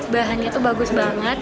bahannya bagus banget